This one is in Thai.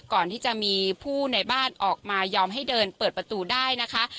ก่อนที่จะมีผู้ในบ้านออกมายอมให้เดินเปิดประตูได้นะคะ